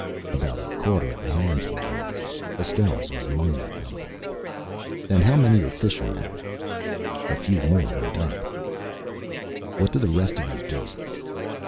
About a quarter of the hands were raised. Estelle's was among the number. "And how many are fishermen?" A few more went up. "What do the rest of you do?"